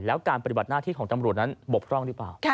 แล้วการปฏิบัติหน้าที่ของตำรวจนั้นบกพร่องหรือเปล่า